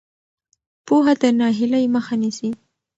پوهه د ناهیلۍ مخه نیسي.